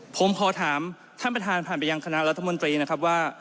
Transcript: ผมขอถามท่านประธานผ่านไปยังคณะรัฐมนตรีนะครับว่า